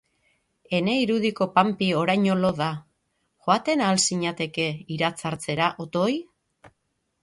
Ene irudiko Panpi oraino lo da. Joaten ahal zinateke iratzartzera, otoi?